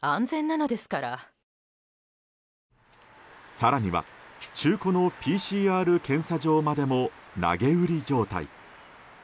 更には中古のＰＣＲ検査場までも投げ売り状態。